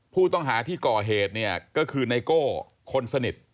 ผู้ต้องหาที่ก่อเหตุเนี่ยก็คือไนโก้คนสนิท